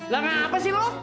lah ngapasih lu